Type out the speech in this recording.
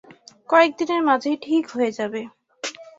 কয়েকদিনের মাঝেই ঠিক হয়ে যাবে।